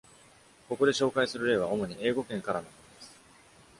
ここで紹介する例は、主に英語圏からのものです。